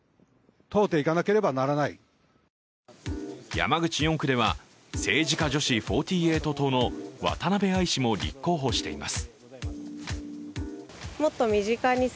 山口４区では、政治家女子４８党の渡部亜衣氏も立候補しています。